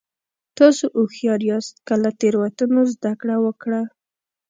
تاسو هوښیار یاست که له تېروتنو زده کړه وکړه.